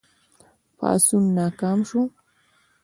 پاڅون ناکام شو.